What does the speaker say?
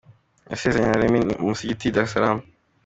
Y azasezerana na Remy mu musigiti i Dar Es Salaam.